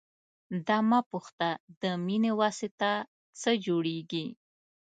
دا مه پوښته د مینې پواسطه څه جوړېږي.